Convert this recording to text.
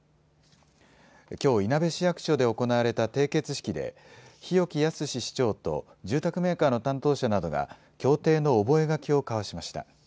きょう、いなべ市役所で行われた締結式で日沖靖市長と住宅メーカーの担当者などが協定の覚書を交わしました。